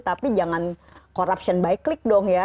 tapi jangan corruption by click dong ya